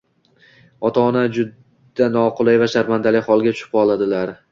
ota-ona juda noqulay va sharmandali halga tushib qoladilar.